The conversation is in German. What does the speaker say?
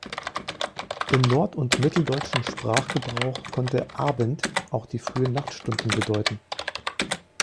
Im nord- und mitteldeutschen Sprachgebrauch konnte Abend auch die frühen Nachtstunden bedeuten.